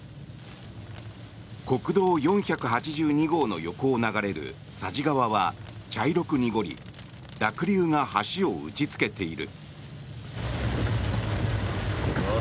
国道４８２号の横を流れる佐治川は茶色く濁り濁流が橋を打ちつけている。